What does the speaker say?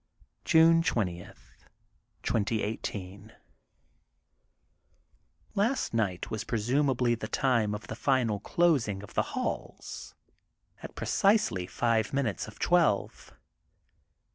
June 20, 2018: — ^Last night was presumably the time of the final closing of the halls, at precisely five minutes of twelve.